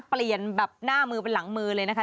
เปลี่ยนแบบหน้ามือเป็นหลังมือเลยนะคะ